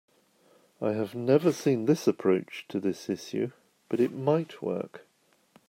I have never seen this approach to this issue, but it might work.